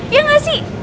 iya gak sih